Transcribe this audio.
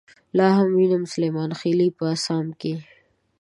لاهم وينم سليمانخيلې په اسام کې